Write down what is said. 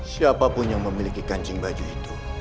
siapapun yang memiliki kancing baju itu